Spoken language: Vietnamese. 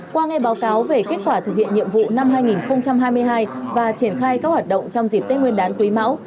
qua ngay báo cáo về kết quả thực hiện nhiệm vụ năm hai nghìn hai mươi hai và triển khai các hoạt động trong dịp tết nguyên đán quý máu